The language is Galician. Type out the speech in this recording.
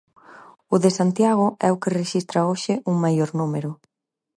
O de Santiago é o que rexistra hoxe un maior número.